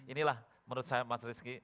inilah menurut saya mas rizky